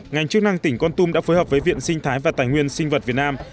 ngành chức năng tỉnh con tum đã phối hợp với viện sinh thái và tài nguyên sinh vật việt nam